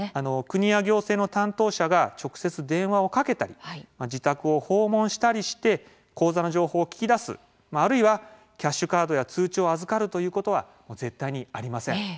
国や行政の担当者が直接、電話をかけたり自宅を訪問したりして口座の情報を聞き出すあるいは、キャッシュカードや通帳を預かるということは絶対にありません。